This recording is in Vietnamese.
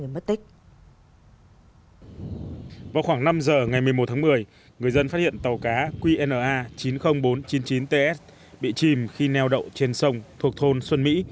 vào khoảng năm giờ ngày một mươi một tháng một mươi người dân phát hiện tàu cá qna chín mươi nghìn bốn trăm chín mươi chín ts bị chìm khi neo đậu trên sông thuộc thôn xuân mỹ